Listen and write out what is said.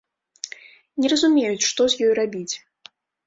Не разумеюць, што з ёй рабіць.